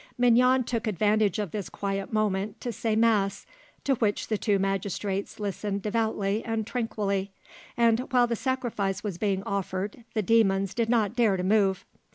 Mignon took advantage of this quiet moment to say mass, to which the two magistrates listened devoutly and tranquilly, and while the sacrifice was being offered the demons did not dare to move.